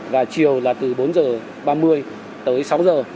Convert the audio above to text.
và chiều là từ bốn giờ ba mươi tới sáu giờ